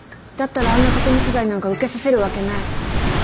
だったらあんな囲み取材なんか受けさせるわけない。